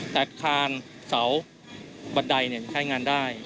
แต่อาคารเสาบัตรใดใช้งานได้